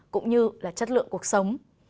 cũng như là chất lượng cuộc sống